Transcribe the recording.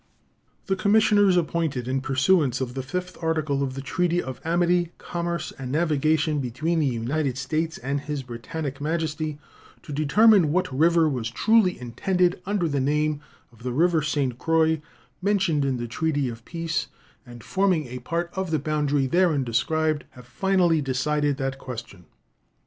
The commissioners appointed in pursuance of the 5th article of the treaty of amity, commerce, and navigation between the United States and His Britannic Majesty to determine what river was truly intended under the name of the river St. Croix mentioned in the treaty of peace, and forming a part of the boundary therein described, have finally decided that question.